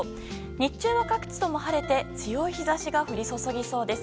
日中は、各地とも晴れて強い日差しが降り注ぎそうです。